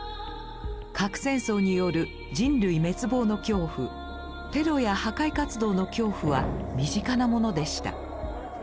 核戦争による人類滅亡の恐怖テロや破壊活動の恐怖は身近なものでした。